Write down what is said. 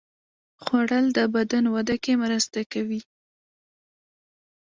خوړل د بدن وده کې مرسته کوي